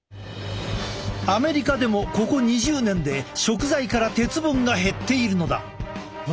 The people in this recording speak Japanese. アメリカでもここ２０年で食材から鉄分が減っているのだ。